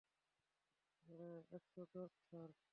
একশ দশ, স্যার।